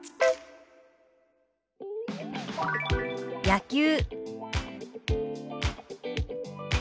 「野球」。